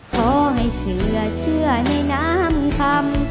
ขอให้เชื่อในน้ำคำ